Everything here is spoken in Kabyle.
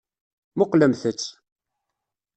Muqqlemt-tt.